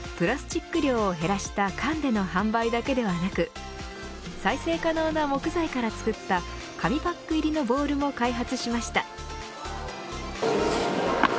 ウイルソンではプラスチック量を減らした缶での販売だけではなく再生可能な木材から作った紙パック入りのボールも開発しました。